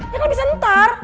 ya kan bisa ntar